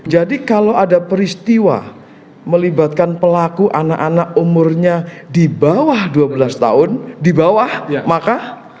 kalau ada peristiwa melibatkan pelaku anak anak umurnya di bawah dua belas tahun di bawah maka